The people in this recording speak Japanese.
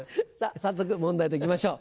早速問題と行きましょう。